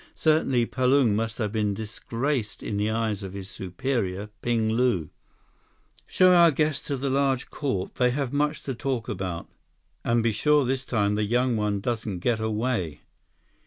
Certainly Palung must have been disgraced in the eyes of his superior, Ping Lu. "Show our guests to the large court. They have much to talk about. And be sure this time the young one doesn't get away."